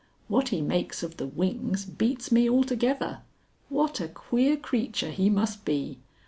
"What he makes of the wings beats me altogether. What a queer creature he must be!